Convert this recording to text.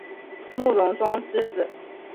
慕容忠之子。